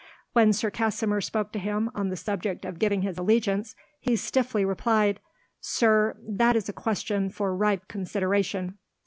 When Sir Kasimir spoke to him on the subject of giving his allegiance, he stiffly replied, "Sir, that is a question for ripe consideration."